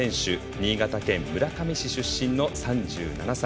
新潟県村上市出身の３７歳。